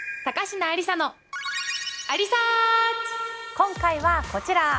今回はこちら。